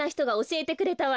え？